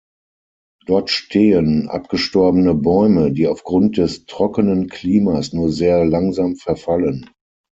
Dort stehen abgestorbene Bäume, die aufgrund des trockenen Klimas nur sehr langsam verfallen.